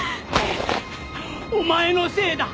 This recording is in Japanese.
お前のせいだ！